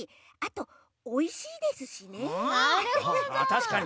たしかに！